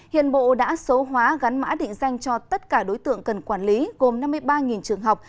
hiện bộ đã số hóa gắn mã định danh cho tất cả đối tượng cần quản lý gồm năm mươi ba trường học